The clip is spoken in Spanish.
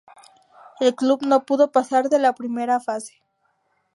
El club no pudo pasar de la primera fase.